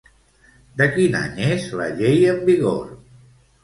De quin any és la llei en vigor?